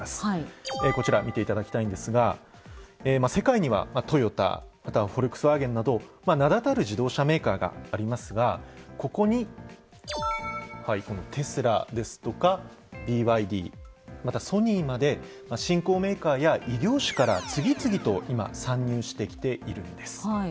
こちら見ていただきたいんですが世界にはトヨタまたはフォルクスワーゲンなど名だたる自動車メーカーがありますがここにテスラですとかＢＹＤまたソニーまで新興メーカーや異業種から次々と今参入してきているんです。